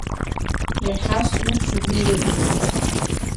Иахьа сус убри иазкуп.